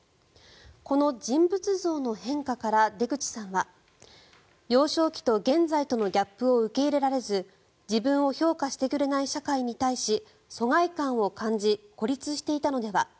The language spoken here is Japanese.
この人物像の変化から出口さんは幼少期と現在とのギャップを受け入れられず自分を評価してくれない社会に対し疎外感を感じ孤立していたのでは。